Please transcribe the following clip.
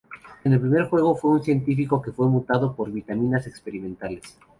En el primer juego, fue un científico que fue mutado por vitaminas experimentales.